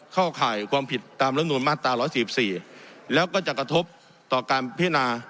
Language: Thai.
เข้าข่ายความผิดตามละนูนมาตราร้อยสี่สิบสี่แล้วก็จะกระทบต่อการพินา